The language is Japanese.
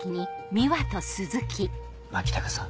牧高さん